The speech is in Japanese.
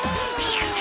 やった！